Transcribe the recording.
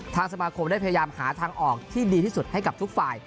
สมาคมได้พยายามหาทางออกที่ดีที่สุดให้กับทุกฝ่าย